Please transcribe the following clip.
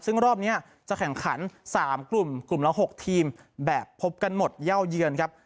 ซึ่งรอบนี้จะแข่งขัน๓กลุ่มกลุ่มละ๖ทีมแบบพบกันหมดเย่าเยือนครับ